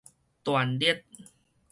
斷裂